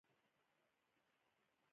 د اوسپنې په وینه کې اکسیجن لېږدوي.